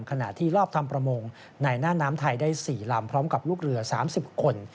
ขณะที่รอบทำประมงในหน้าน้ำไทยได้๔ลำพร้อมกับลูกเรือ๓๐คน